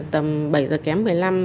tầm bảy h kém một mươi năm